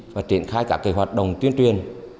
và triển khai các kế hoạt đồng tuyên truyền